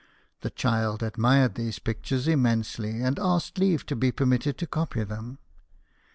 The child admired these pictures immensely, and asked leave to be permitted to copy them.